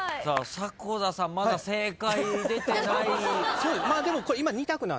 迫田さんまだ正解出てない。